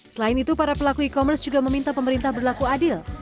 selain itu para pelaku e commerce juga meminta pemerintah berlaku adil